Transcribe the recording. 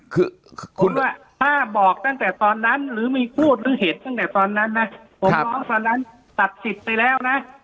คือคุณว่าถ้าบอกตั้งแต่ตอนนั้นหรือมีพูดหรือเห็นตั้งแต่ตอนนั้นนะผมร้องตอนนั้นตัดสิทธิ์ไปแล้วนะ